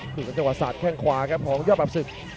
ถึงกันเฉพาะศาสตร์แค่งขวาครับของย่อปรับศึก